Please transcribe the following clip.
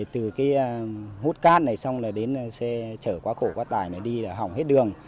từ cái hút cát này xong là đến xe chở quá khổ quá tải này đi hỏng hết đường